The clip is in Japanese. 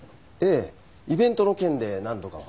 イベントの件で何度かお話を。